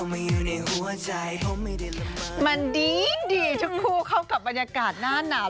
มันดีทุกคู่เข้ากับบรรยากาศหน้าหนาว